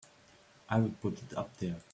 I would put it up there!